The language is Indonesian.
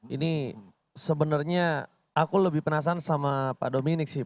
ini sebenarnya aku lebih penasaran sama pak dominic sih